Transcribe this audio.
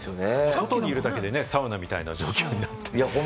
外にいるだけでサウナみたいな状況になってる。